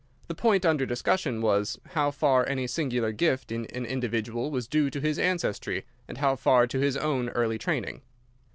The point under discussion was, how far any singular gift in an individual was due to his ancestry and how far to his own early training.